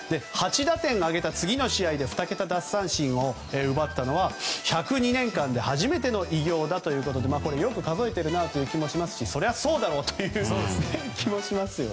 ８打点上げた次の試合で２桁奪三振を奪ったのは１０２年間で初めての偉業だということでよく数えているなという気もしますしそりゃそうだろうという気もします。